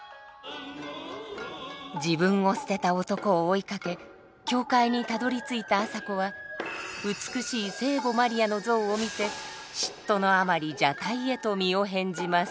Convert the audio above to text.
自分を捨てた男を追いかけ教会にたどりついた朝子は美しい聖母マリアの像を見て嫉妬のあまり蛇体へと身を変じます。